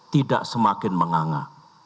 tidak semakin menganga